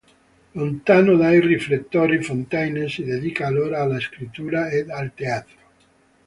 Lontano dai riflettori, Fontaine si dedica allora alla scrittura ed al teatro.